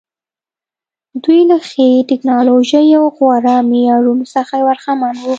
دوی له ښې ټکنالوژۍ او غوره معیارونو څخه برخمن وو.